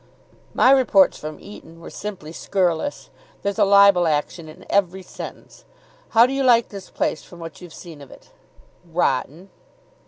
"My reports from Eton were simply scurrilous. There's a libel action in every sentence. How do you like this place from what you've seen of it?" "Rotten."